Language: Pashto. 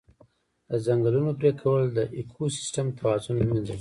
د ځنګلونو پرېکول د اکوسیستم توازن له منځه وړي.